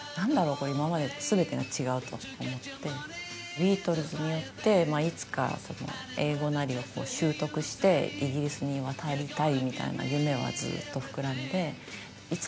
ビートルズによっていつか英語なりを習得してイギリスに渡りたいみたいな夢はずっと膨らんで。